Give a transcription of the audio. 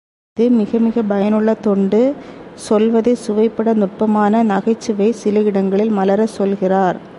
இது மிக மிகப் பயனுள்ள தொண்டு சொல்வதைச் சுவைபட நுட்பமான நகைச் சுவை சில இடங்களில் மலர, சொல்கிறார்.